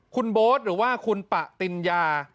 คุณโบ๊ทหรือว่าคุณปะติญญา